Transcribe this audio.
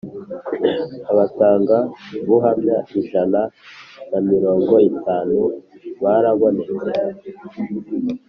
abatangabuhamya ijana na mirongo itanu barabonetse